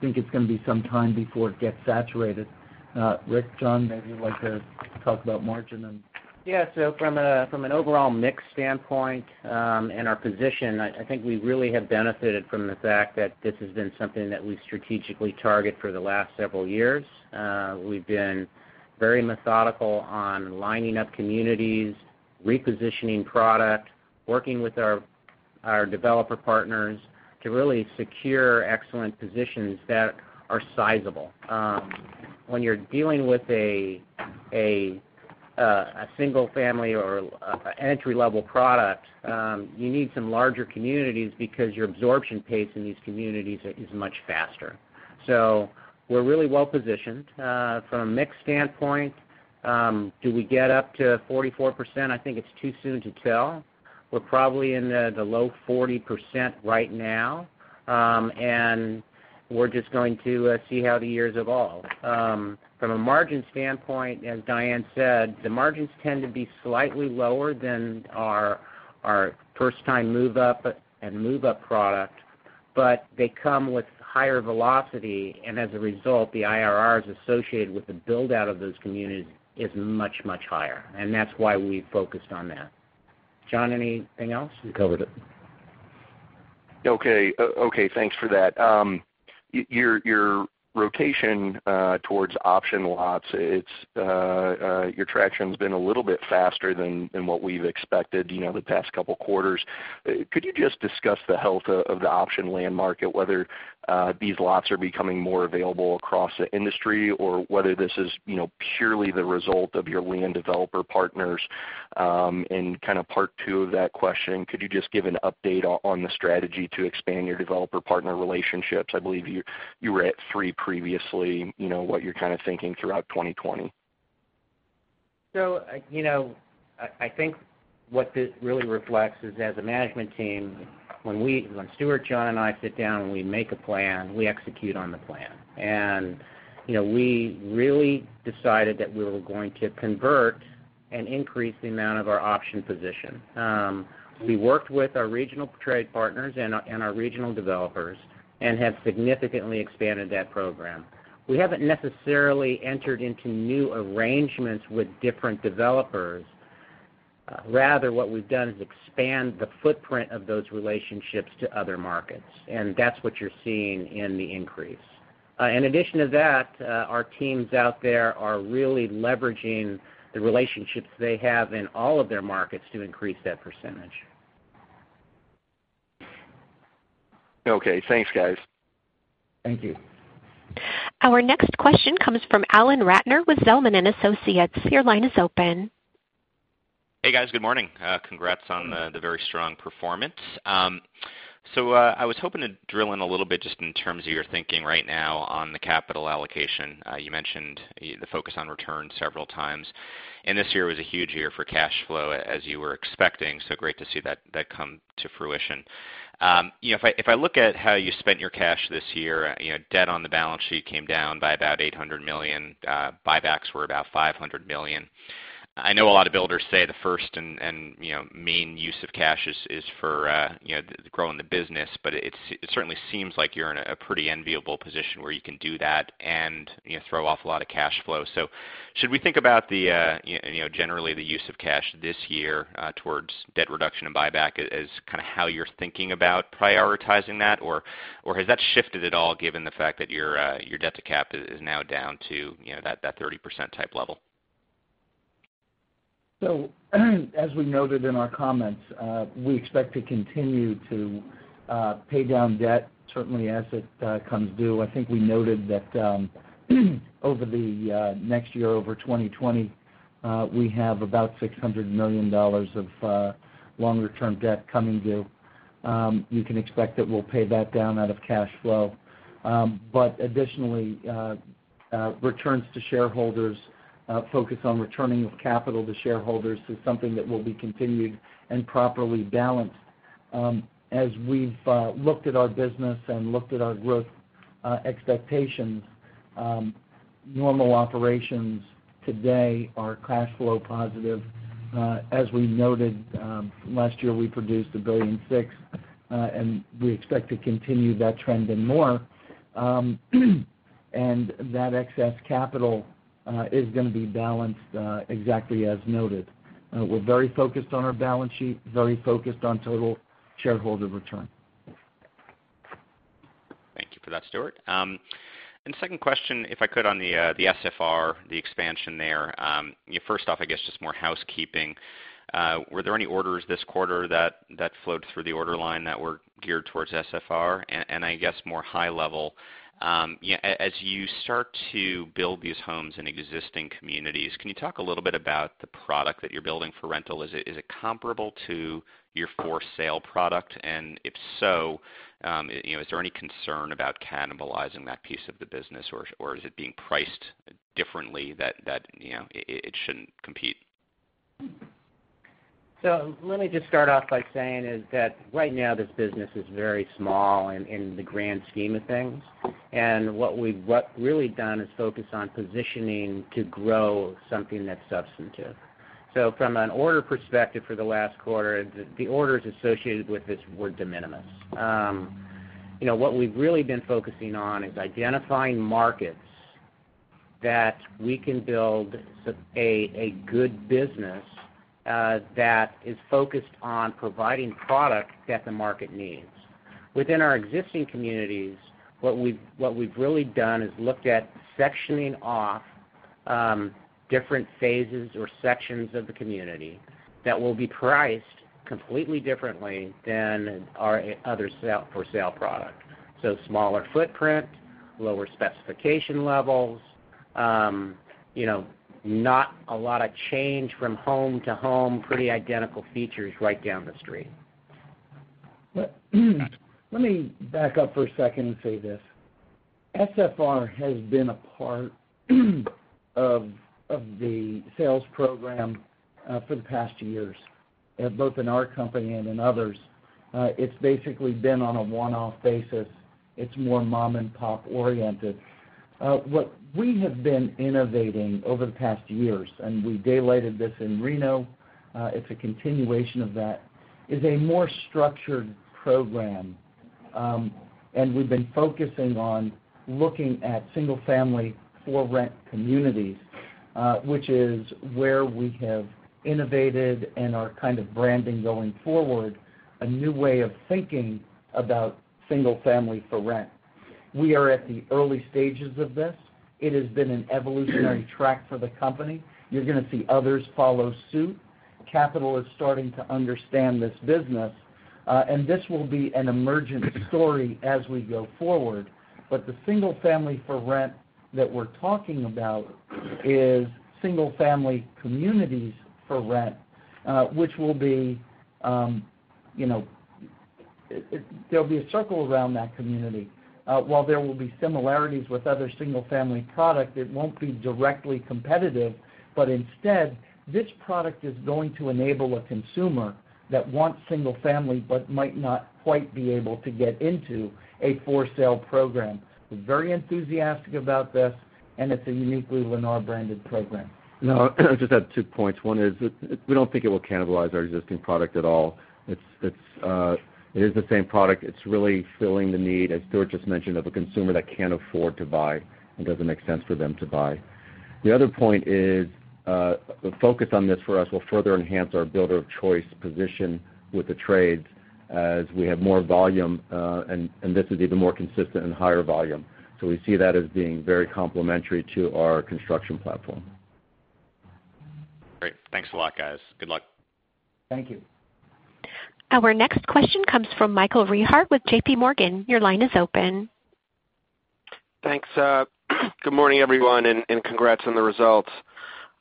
think it's gonna be some time before it gets saturated. Rick, John, maybe you'd like to talk about margin. From an overall mix standpoint, and our position, I think we really have benefited from the fact that this has been something that we strategically target for the last several years. We've been very methodical on lining up communities, repositioning product, working with our developer partners to really secure excellent positions that are sizable. When you're dealing with a single-family or entry-level product, you need some larger communities because your absorption pace in these communities is much faster. We're really well-positioned. From a mix standpoint, do we get up to 44%? I think it's too soon to tell. We're probably in the low 40% right now, and we're just going to see how the years evolve. From a margin standpoint, as Diane said, the margins tend to be slightly lower than our first time move up and move up product, but they come with higher velocity, and as a result, the IRRs associated with the build-out of those communities is much, much higher, and that's why we focused on that. John, anything else? You covered it. Thanks for that. Your rotation towards option lots, it's your traction's been a little bit faster than what we've expected, you know, the past couple quarters. Could you just discuss the health of the option land market, whether these lots are becoming more available across the industry or whether this is, you know, purely the result of your land developer partners? Kind of part two of that question, could you just give an update on the strategy to expand your developer partner relationships? I believe you were at three previously, you know, what you're kind of thinking throughout 2020. You know, I think what this really reflects is as a management team, when we when Stuart, Jon Jaffe, and I sit down and we make a plan, we execute on the plan. You know, we really decided that we were going to convert and increase the amount of our option position. We worked with our regional trade partners and our regional developers and have significantly expanded that program. We haven't necessarily entered into new arrangements with different developers, rather what we've done is expand the footprint of those relationships to other markets, and that's what you're seeing in the increase. In addition to that, our teams out there are really leveraging the relationships they have in all of their markets to increase that percentage. Okay. Thanks, guys. Thank you. Our next question comes from Alan Ratner with Zelman & Associates. Your line is open. Hey, guys. Good morning. Congrats on the very strong performance. I was hoping to drill in a little bit just in terms of your thinking right now on the capital allocation. You mentioned the focus on return several times, this year was a huge year for cash flow as you were expecting, so great to see that come to fruition. You know, if I look at how you spent your cash this year, you know, debt on the balance sheet came down by about $800 million, buybacks were about $500 million. I know a lot of builders say the first and, you know, main use of cash is for, you know, growing the business, but it certainly seems like you're in a pretty enviable position where you can do that and, you know, throw off a lot of cash flow. Should we think about the, you know, generally the use of cash this year towards debt reduction and buyback as kind of how you're thinking about prioritizing that? Or has that shifted at all given the fact that your debt to cap is now down to, you know, that 30% type level? As we noted in our comments, we expect to continue to pay down debt certainly as it comes due. I think we noted that over the next year, over 2020, we have about $600 million of longer-term debt coming due. You can expect that we'll pay that down out of cash flow. Additionally, returns to shareholders, focus on returning of capital to shareholders is something that will be continued and properly balanced. As we've looked at our business and looked at our growth expectations, normal operations today are cash flow positive. As we noted, last year we produced $1 billion and 6, and we expect to continue that trend and more. That excess capital is gonna be balanced exactly as noted. We're very focused on our balance sheet, very focused on total shareholder return. Thank you for that, Stuart. Second question, if I could, on the SFR, the expansion there. You know, first off, I guess just more housekeeping. Were there any orders this quarter that flowed through the order line that were geared towards SFR? I guess more high level, as you start to build these homes in existing communities, can you talk a little bit about the product that you're building for rental? Is it comparable to your for sale product? If so, you know, is there any concern about cannibalizing that piece of the business or is it being priced differently that, you know, it shouldn't compete? Let me just start off by saying is that right now this business is very small in the grand scheme of things. What we've really done is focus on positioning to grow something that's substantive. From an order perspective for the last quarter, the orders associated with this were de minimis. You know, what we've really been focusing on is identifying markets that we can build a good business that is focused on providing product that the market needs. Within our existing communities, what we've really done is looked at sectioning off different phases or sections of the community that will be priced completely differently than our other sale, for sale product. Smaller footprint, lower specification levels, you know, not a lot of change from home to home, pretty identical features right down the street. Let me back up for a second and say this. SFR has been a part of the sales program for the past years, both in our company and in others. It's basically been on a one-off basis. It's more mom-and-pop oriented. What we have been innovating over the past years, and we daylighted this in Reno, it's a continuation of that, is a more structured program. We've been focusing on looking at single-family for-rent communities, which is where we have innovated and are kind of branding going forward a new way of thinking about single-family for rent. We are at the early stages of this. It has been an evolutionary track for the company. You're gonna see others follow suit. Capital is starting to understand this business. This will be an emergent story as we go forward. The single-family for rent that we're talking about is single-family communities for rent, which will be, there'll be a circle around that community. While there will be similarities with other single-family product, it won't be directly competitive. Instead, this product is going to enable a consumer that wants single-family but might not quite be able to get into a for-sale program. We're very enthusiastic about this, and it's a uniquely Lennar-branded program. No, I just have two points. One is that we don't think it will cannibalize our existing product at all. It is the same product. It's really filling the need, as Stuart just mentioned, of a consumer that can't afford to buy. It doesn't make sense for them to buy. The other point is, the focus on this for us will further enhance our builder-of-choice position with the trades as we have more volume, and this is even more consistent and higher volume. We see that as being very complementary to our construction platform. Great. Thanks a lot, guys. Good luck. Thank you. Our next question comes from Michael Rehaut with JPMorgan. Your line is open. Thanks. Good morning, everyone, and congrats on the results.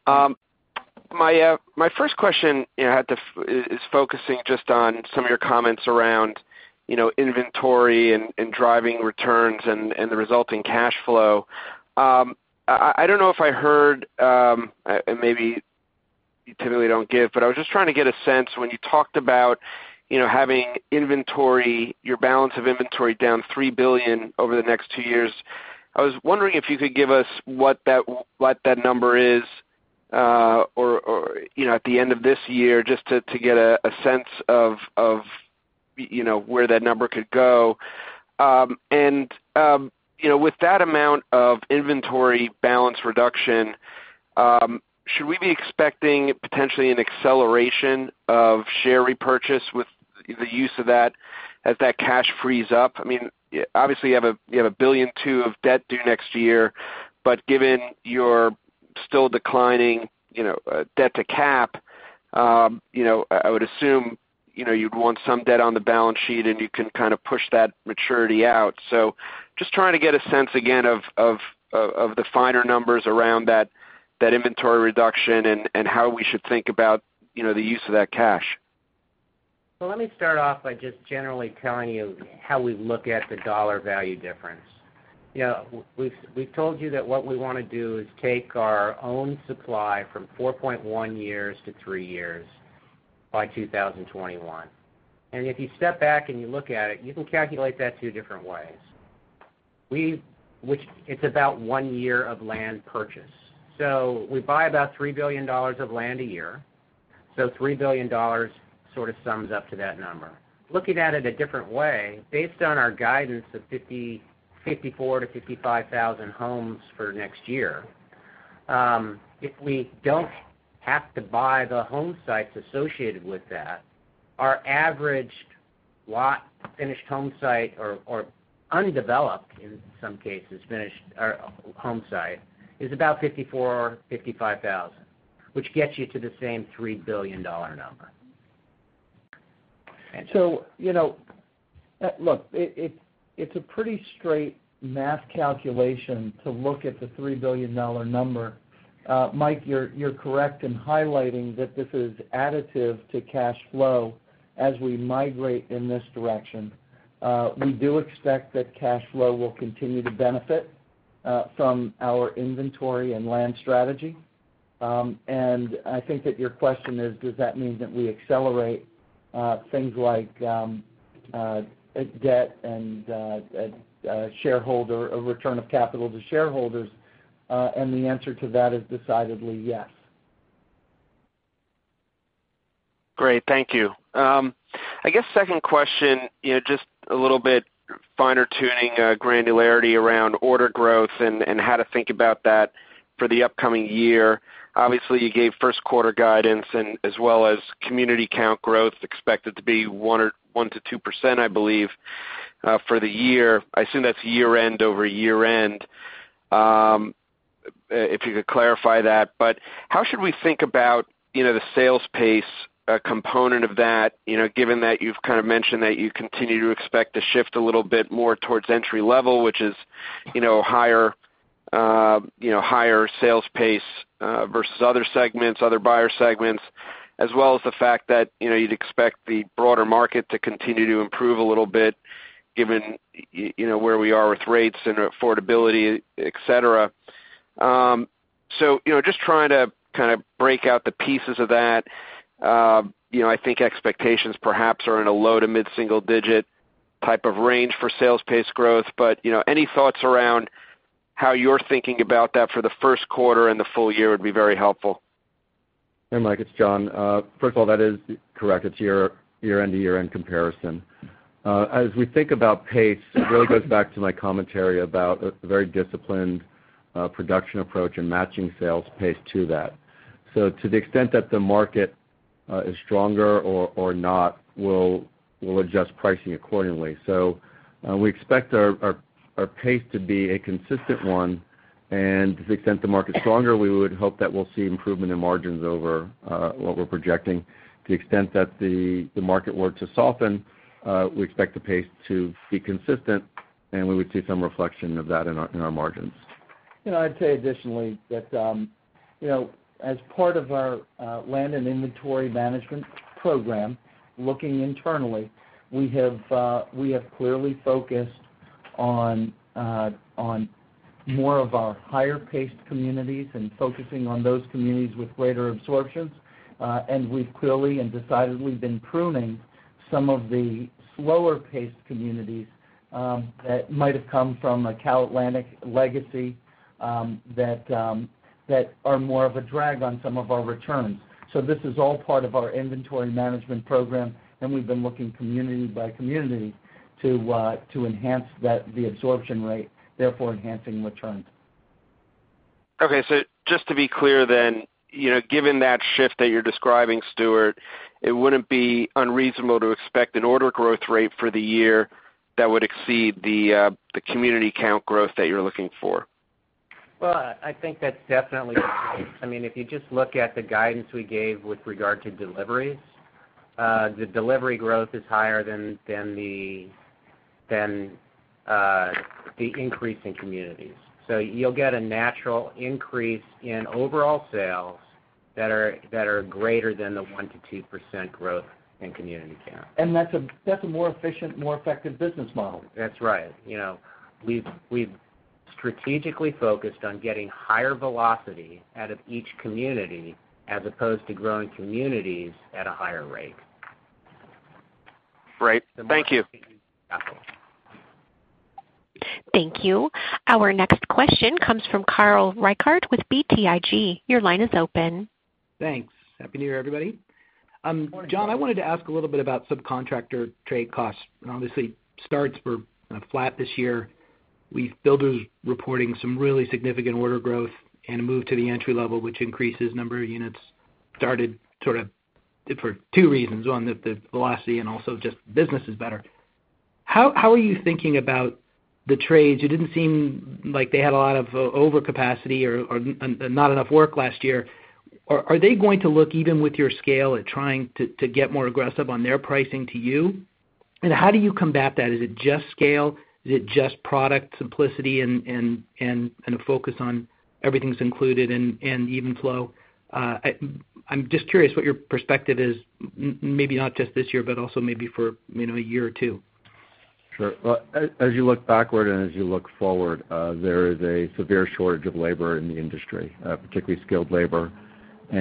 My first question, you know, is focusing just on some of your comments around, you know, inventory and driving returns and the resulting cash flow. I don't know if I heard, maybe you typically don't give, but I was just trying to get a sense when you talked about, you know, having inventory, your balance of inventory down $3 billion over the next two years. I was wondering if you could give us what that, what that number is, or, you know, at the end of this year, just to get a sense of, you know, where that number could go. You know, with that amount of inventory balance reduction, should we be expecting potentially an acceleration of share repurchase with the use of that as that cash frees up? I mean, obviously, you have a, you have a $1.2 billion of debt due next year. Given you're still declining, you know, debt to cap, you know, I would assume, you know, you'd want some debt on the balance sheet, and you can kind of push that maturity out. Just trying to get a sense again of the finer numbers around that inventory reduction and how we should think about, you know, the use of that cash. Let me start off by just generally telling you how we look at the dollar value difference. You know, we've told you that what we want to do is take our own supply from 4.1 years to three years by 2021. If you step back and you look at it, you can calculate that two different ways. Which it's about one year of land purchase. We buy about $3 billion of land a year, so $3 billion sort of sums up to that number. Looking at it a different way, based on our guidance of 54,000-55,000 homes for next year, if we don't have to buy the home sites associated with that, our average lot finished home site or undeveloped, in some cases, finished or home site, is about 54,000-55,000, which gets you to the same $3 billion number. You know, look, it's a pretty straight math calculation to look at the $3 billion number. Michael, you're correct in highlighting that this is additive to cash flow as we migrate in this direction. We do expect that cash flow will continue to benefit from our inventory and land strategy. I think that your question is, does that mean that we accelerate things like debt and return of capital to shareholders? The answer to that is decidedly yes. Great. Thank you. I guess second question, you know, just a little bit finer tuning, granularity around order growth and how to think about that for the upcoming year. Obviously, you gave first quarter guidance and as well as community count growth expected to be 1% or 1%-2%, I believe, for the year. I assume that's year end over year end, if you could clarify that. How should we think about, you know, the sales pace component of that, you know, given that you've kind of mentioned that you continue to expect to shift a little bit more towards entry level, which is, you know, higher, you know, higher sales pace versus other segments, other buyer segments, as well as the fact that, you know, you'd expect the broader market to continue to improve a little bit given, you know, where we are with rates and affordability, et cetera. So, you know, just trying to kind of break out the pieces of that. You know, I think expectations perhaps are in a low to mid-single-digit type of range for sales pace growth. You know, any thoughts around how you're thinking about that for the first quarter and the full year would be very helpful. Hey, Michael Rehaut, it's Jon Jaffe. First of all, that is correct. It's year-end to year-end comparison. As we think about pace, it really goes back to my commentary about a very disciplined production approach and matching sales pace to that. To the extent that the market is stronger or not, we'll adjust pricing accordingly. We expect our pace to be a consistent one, and to the extent the market's stronger, we would hope that we'll see improvement in margins over what we're projecting. To the extent that the market were to soften, we expect the pace to be consistent, and we would see some reflection of that in our margins. You know, I'd say additionally that, you know, as part of our land and inventory management program, looking internally, we have clearly focused on more of our higher-paced communities and focusing on those communities with greater absorptions. We've clearly and decidedly been pruning some of the slower-paced communities that might have come from a CalAtlantic legacy that are more of a drag on some of our returns. This is all part of our inventory management program, and we've been looking community by community to enhance that, the absorption rate, therefore enhancing returns. Okay, just to be clear, you know, given that shift that you're describing, Stuart, it wouldn't be unreasonable to expect an order growth rate for the year that would exceed the community count growth that you're looking for. Well, I think that's definitely the case. I mean, if you just look at the guidance we gave with regard to deliveries, the delivery growth is higher than the increase in communities. You'll get a natural increase in overall sales that are greater than the 1%-2% growth in community count. That's a more efficient, more effective business model. That's right. You know, we've strategically focused on getting higher velocity out of each community as opposed to growing communities at a higher rate. Great. Thank you. Yeah. Thank you. Our next question comes from Carl Reichardt with BTIG. Your line is open. Thanks. Happy New Year, everybody. Morning, Carl. Jon Jaffe, I wanted to ask a little bit about subcontractor trade costs. Obviously, starts were, kind of, flat this year. We've builders reporting some really significant order growth and a move to the entry level, which increases number of units started sort of for two reasons. One, the velocity and also just business is better. How are you thinking about the trades? It didn't seem like they had a lot of over capacity or not enough work last year. Are they going to look even with your scale at trying to get more aggressive on their pricing to you? How do you combat that? Is it just scale? Is it just product simplicity and a focus on Everything's Included and Even Flow? I'm just curious what your perspective is maybe not just this year, but also maybe for, you know, a year or two. Sure. Well, as you look backward and as you look forward, there is a severe shortage of labor in the industry, particularly skilled labor. We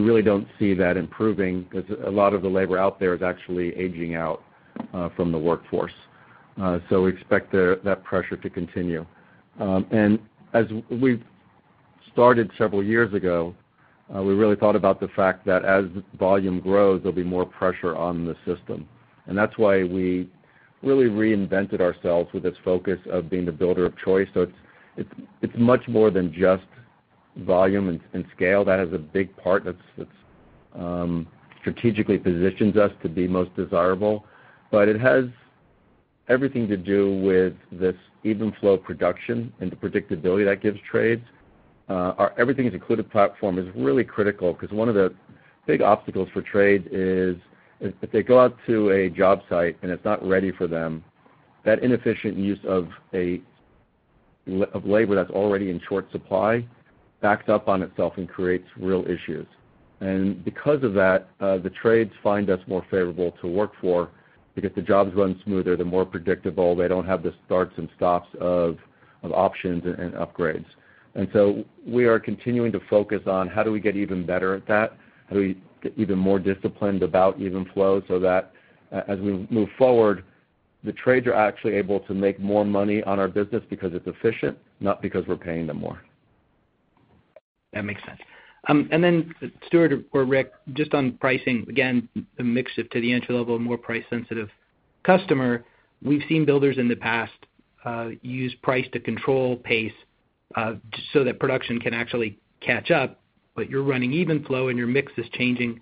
really don't see that improving because a lot of the labor out there is actually aging out from the workforce. We expect that pressure to continue. As we've started several years ago, we really thought about the fact that as volume grows, there'll be more pressure on the system. That's why we really reinvented ourselves with this focus of being the builder of choice. It's much more than just volume and scale. That is a big part that's strategically positions us to be most desirable. It has everything to do with this Even Flow production and the predictability that gives trades. Our Everything's Included platform is really critical because one of the big obstacles for trades is if they go out to a job site and it's not ready for them, that inefficient use of labor that's already in short supply backs up on itself and creates real issues. Because of that, the trades find us more favorable to work for because the jobs run smoother, they're more predictable. They don't have the starts and stops of options and upgrades. We are continuing to focus on how do we get even better at that? How do we get even more disciplined about Even Flow so that as we move forward, the trades are actually able to make more money on our business because it's efficient, not because we're paying them more. That makes sense. Stuart or Rick, just on pricing, again, the mix it to the entry-level, more price-sensitive customer. We've seen builders in the past, use price to control pace, so that production can actually catch up, but you're running Even Flow and your mix is changing.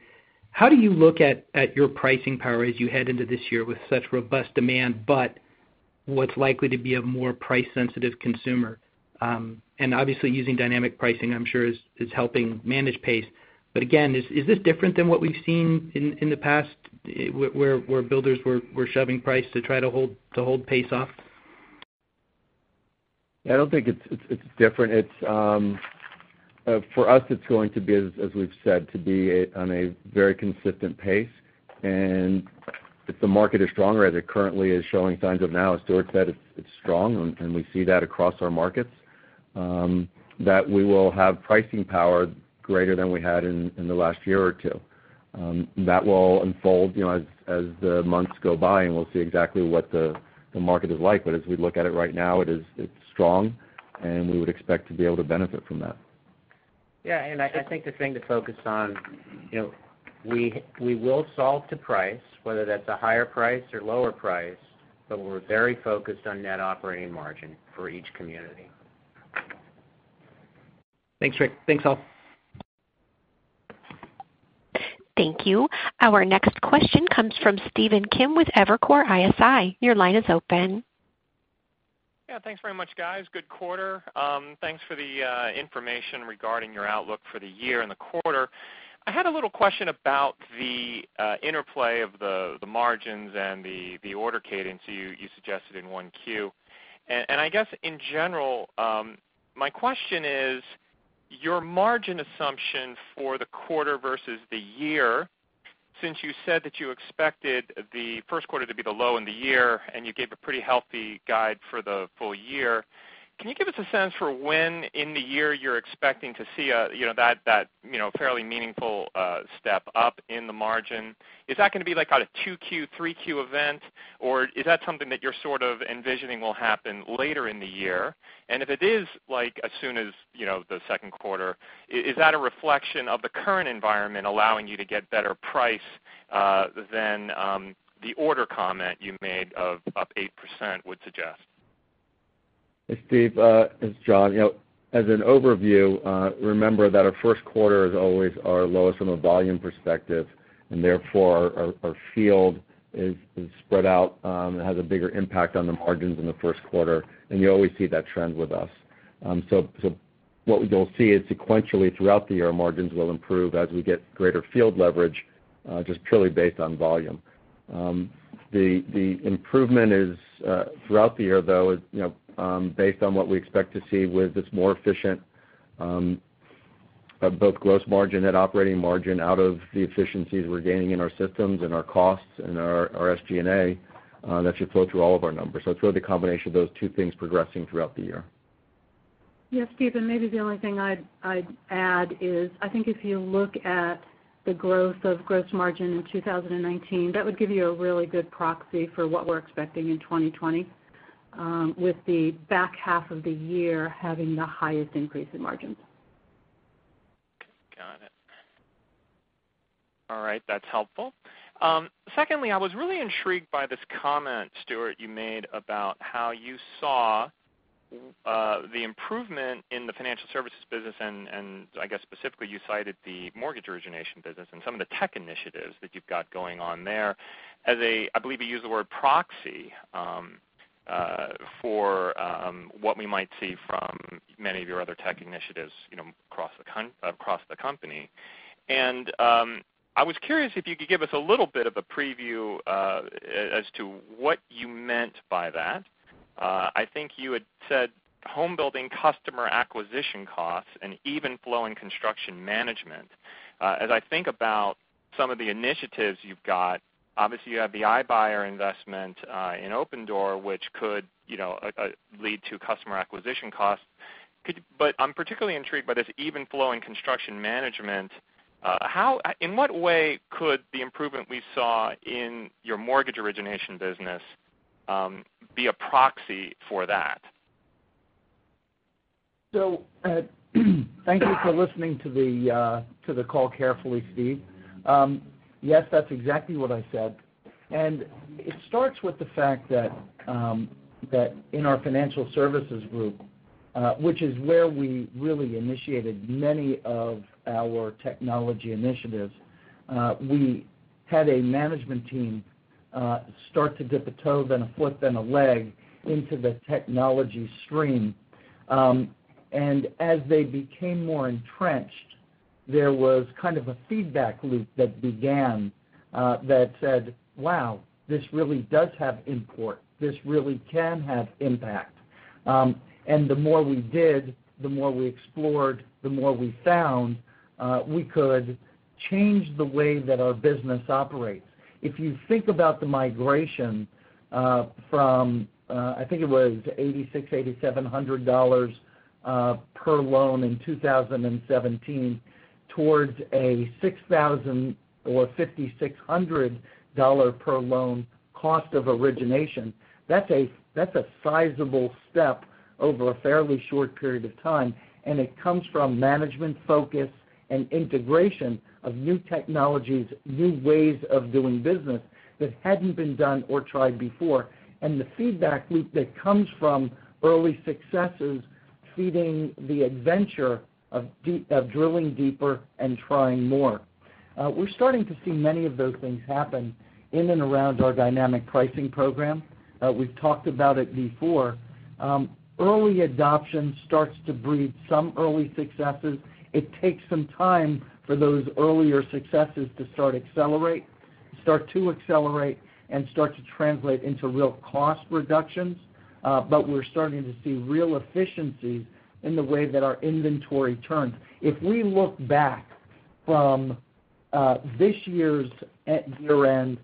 How do you look at your pricing power as you head into this year with such robust demand, but what's likely to be a more price-sensitive consumer? Obviously using dynamic pricing, I'm sure is helping manage pace. Again, is this different than what we've seen in the past where builders were shoving price to try to hold pace off? I don't think it's different. It's for us, it's going to be, as we've said, to be on a very consistent pace. If the market is stronger, as it currently is showing signs of now, Stuart said it's strong, and we see that across our markets, that we will have pricing power greater than we had in the last year or two. That will unfold, you know, as the months go by, and we'll see exactly what the market is like. As we look at it right now, it's strong, and we would expect to be able to benefit from that. Yeah, and I think the thing to focus on, you know, we will solve to price, whether that's a higher price or lower price, but we're very focused on net operating margin for each community. Thanks, Rick. Thanks, all. Thank you. Our next question comes from Stephen Kim with Evercore ISI. Your line is open. Yeah. Thanks very much, guys. Good quarter. Thanks for the information regarding your outlook for the year and the quarter. I had a little question about the interplay of the margins and the order cadence you suggested in 1Q. I guess in general, my question is your margin assumption for the quarter versus the year, since you said that you expected the first quarter to be the low in the year, and you gave a pretty healthy guide for the full year, can you give us a sense for when in the year you're expecting to see a, you know, that, you know, fairly meaningful step up in the margin? Is that gonna be like on a 2Q, 3Q event, or is that something that you're sort of envisioning will happen later in the year? If it is like as soon as, you know, the second quarter, is that a reflection of the current environment allowing you to get better price, than, the order comment you made of up 8% would suggest? Hey, Steve, it's Jon. You know, as an overview, remember that our first quarter is always our lowest from a volume perspective, and therefore our field is spread out, it has a bigger impact on the margins in the first quarter, and you always see that trend with us. What we don't see is sequentially throughout the year, margins will improve as we get greater field leverage, just purely based on volume. The improvement is, throughout the year though, you know, based on what we expect to see with this more efficient, both gross margin, net operating margin out of the efficiencies we're gaining in our systems and our costs and our SG&A, that should flow through all of our numbers. It's really the combination of those two things progressing throughout the year. Yes, Steve, maybe the only thing I'd add is I think if you look at the growth of gross margin in 2019, that would give you a really good proxy for what we're expecting in 2020, with the back half of the year having the highest increase in margins. Got it. All right. That's helpful. Secondly, I was really intrigued by this comment, Stuart, you made about how you saw the improvement in the Financial Services business, and I guess specifically you cited the mortgage origination business and some of the tech initiatives that you've got going on there as a, I believe you used the word proxy for what we might see from many of your other tech initiatives, you know, across the company. I was curious if you could give us a little bit of a preview as to what you meant by that. I think you had said homebuilding customer acquisition costs and Even Flow construction management. As I think about some of the initiatives you've got, obviously you have the iBuyer investment in Opendoor, which could, you know, lead to customer acquisition costs. I'm particularly intrigued by this Even Flow construction management. How in what way could the improvement we saw in your mortgage origination business be a proxy for that? Thank you for listening to the call carefully, Steve. Yes, that's exactly what I said. It starts with the fact that in our financial services group, which is where we really initiated many of our technology initiatives, we had a management team start to dip a toe then a foot, then a leg into the technology stream. As they became more entrenched, there was kind of a feedback loop that began that said, "Wow, this really does have import. This really can have impact." The more we did, the more we explored, the more we found, we could change the way that our business operates. If you think about the migration, from, I think it was $8,600-$8,700 per loan in 2017 towards a $6,000 or $5,600 per loan cost of origination, that's a, that's a sizable step over a fairly short period of time, and it comes from management focus and integration of new technologies, new ways of doing business that hadn't been done or tried before. The feedback loop that comes from early successes feeding the adventure of drilling deeper and trying more. We're starting to see many of those things happen in and around our dynamic pricing program. We've talked about it before. Early adoption starts to breed some early successes. It takes some time for those earlier successes to start to accelerate and start to translate into real cost reductions. We're starting to see real efficiencies in the way that our inventory turns. If we look back from, this year's at year-end.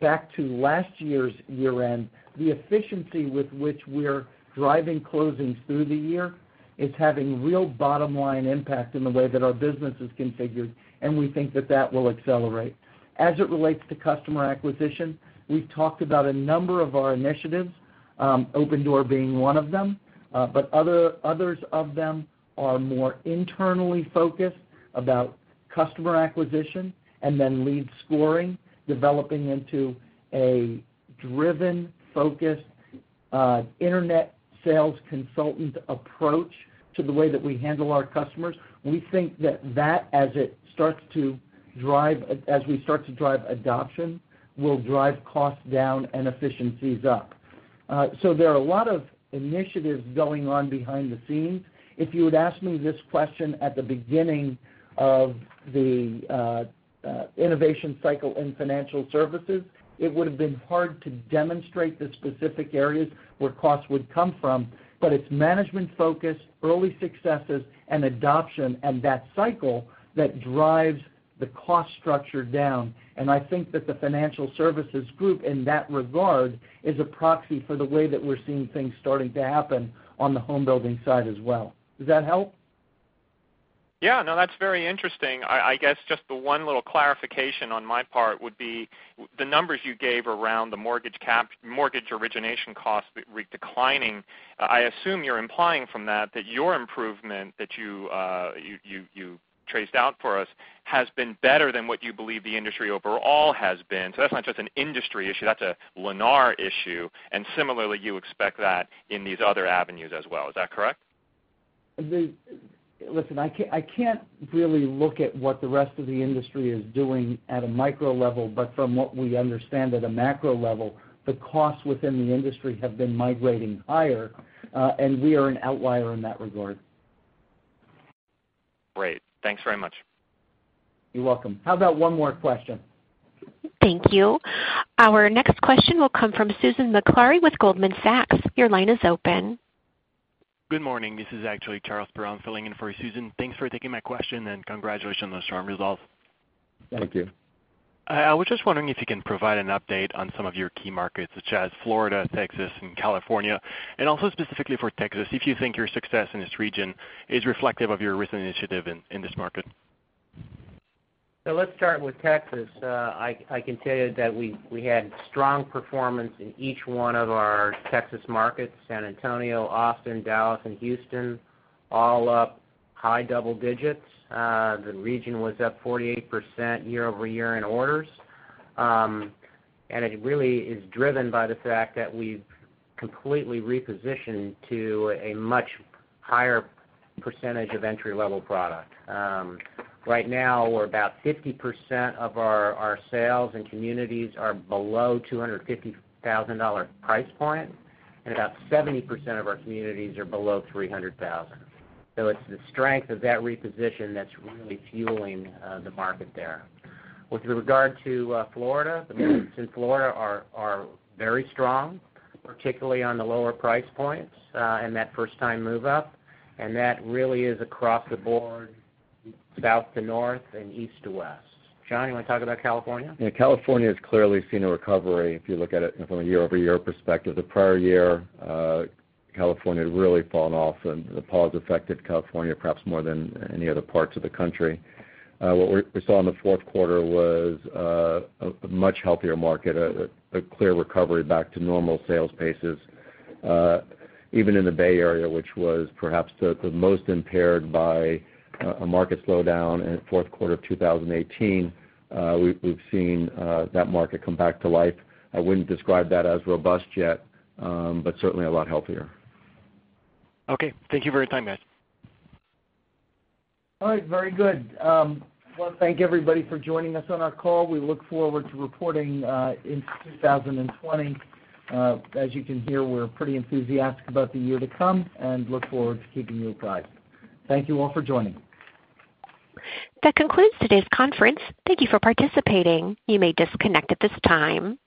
Back to last year's year-end, the efficiency with which we're driving closings through the year is having real bottom-line impact in the way that our business is configured. We think that that will accelerate. As it relates to customer acquisition, we've talked about a number of our initiatives, Opendoor being one of them. Others of them are more internally focused about customer acquisition and then lead scoring, developing into a driven, focused, internet sales consultant approach to the way that we handle our customers. We think that that, as we start to drive adoption, will drive costs down and efficiencies up. There are a lot of initiatives going on behind the scenes. If you had asked me this question at the beginning of the innovation cycle in financial services, it would have been hard to demonstrate the specific areas where costs would come from. It's management-focused, early successes, and adoption, and that cycle that drives the cost structure down. I think that the financial services group in that regard is a proxy for the way that we're seeing things starting to happen on the homebuilding side as well. Does that help? Yeah. No, that's very interesting. I guess, just the one little clarification on my part would be the numbers you gave around the mortgage origination costs re-declining, I assume you're implying from that your improvement that you traced out for us has been better than what you believe the industry overall has been. That's not just an industry issue, that's a Lennar issue, and similarly, you expect that in these other avenues as well. Is that correct? I can't really look at what the rest of the industry is doing at a micro level. From what we understand at a macro level, the costs within the industry have been migrating higher, and we are an outlier in that regard. Great. Thanks very much. You're welcome. How's about one more question? Thank you. Our next question will come from Susan Maklari with Goldman Sachs. Your line is open. Good morning. This is actually Charles Perron-Piche filling in for Susan. Thanks for taking my question. Congratulations on the strong results. Thank you. I was just wondering if you can provide an update on some of your key markets, such as Florida, Texas, and California. Also specifically for Texas, if you think your success in this region is reflective of your recent initiative in this market. Let's start with Texas. I can tell you that we had strong performance in each one of our Texas markets, San Antonio, Austin, Dallas, and Houston, all up high double digits. The region was up 48% year-over-year in orders. It really is driven by the fact that we've completely repositioned to a much higher percentage of entry-level product. Right now we're about 50% of our sales and communities are below $250,000 price point, and about 70% of our communities are below $300,000. It's the strength of that reposition that's really fueling the market there. With regard to Florida, the markets in Florida are very strong, particularly on the lower price points, and that first-time move up, and that really is across the board, south to north and east to west. Jon, you wanna talk about California? California's clearly seen a recovery if you look at it from a year-over-year perspective. The prior year, California had really fallen off. The pause affected California perhaps more than any other parts of the country. What we saw in the fourth quarter was a much healthier market, a clear recovery back to normal sales paces. Even in the Bay Area, which was perhaps the most impaired by a market slowdown in fourth quarter of 2018, we've seen that market come back to life. I wouldn't describe that as robust yet, certainly a lot healthier. Okay. Thank you for your time, guys. All right. Very good. Well, thank you everybody for joining us on our call. We look forward to reporting in 2020. As you can hear, we're pretty enthusiastic about the year to come and look forward to keeping you apprised. Thank you all for joining. That concludes today's conference. Thank you for participating. You may disconnect at this time.